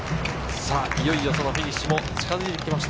いよいよフィニッシュも近づいてきました。